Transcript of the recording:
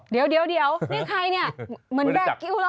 เดี๋ยวนี่ใครเนี่ยเหมือนแบกคิวเหรอ